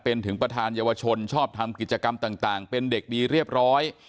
เป็นถึงประธานเยาวชนชอบทำกิจกรรมต่างเป็นเด็กดีเรียบร้อย